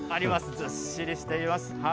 ずっしりしています。